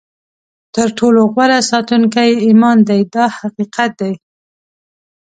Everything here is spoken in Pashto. تر ټولو غوره ساتونکی ایمان دی دا حقیقت دی.